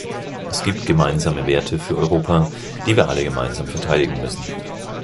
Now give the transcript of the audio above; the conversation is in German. Es gibt gemeinsame Werte für Europa, die wir alle gemeinsam verteidigen müssen.